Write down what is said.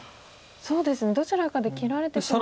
そうですねどちらかで切られてしまう。